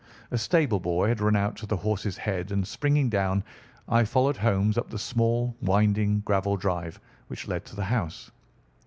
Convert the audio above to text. A stable boy had run out to the horse's head, and springing down, I followed Holmes up the small, winding gravel drive which led to the house.